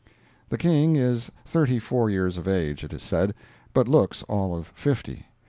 The King is thirty four years of age it is said, but looks all of fifty.